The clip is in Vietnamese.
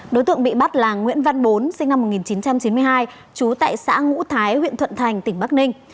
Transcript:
đối tượng bị bắt là nguyễn văn bốn sinh năm một nghìn chín trăm chín mươi hai trú tại xã ngũ thái huyện thuận thành tỉnh bắc ninh